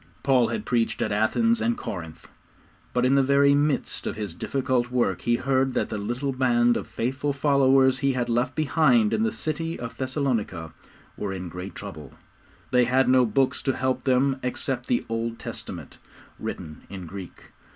Paul had preached at Athens and Corinth, but in the very midst of his difficult work he heard that the little band of faithful followers he had left behind in the city of Thessalonica were in great trouble. They had no books to help them except the Old Testament, written in Greek.